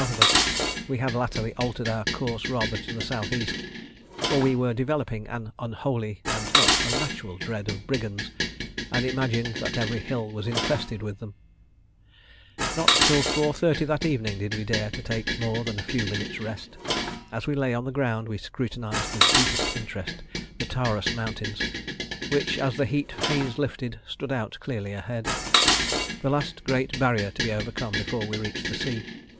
of us, we had latterly altered our course rather to the S.E.; for we were developing an unholy and not unnatural dread of brigands, and imagined that every hill was infested with them. Not till 4.30 that evening did we dare to take more than a few minutes' rest. As we lay on the ground we scrutinised with deepest interest the Taurus Mountains, which, as the heat haze lifted, stood out clearly ahead the last great barrier to be overcome before we reached the sea.